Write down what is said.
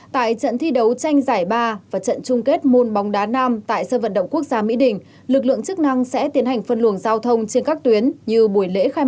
tại trận thi đấu tranh giải ba và trận chung kết môn bóng đá nam tại sân vận động quốc gia mỹ đình